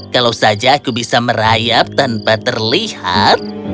kalau saja aku bisa merayap tanpa terlihat